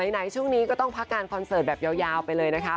ไหนช่วงนี้ก็ต้องพักงานคอนเสิร์ตแบบยาวไปเลยนะคะ